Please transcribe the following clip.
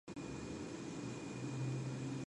He is married to filmmaker Anna Grenzfurthner.